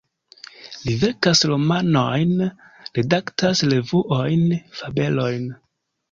Li verkas romanojn, redaktas revuojn, fabelojn.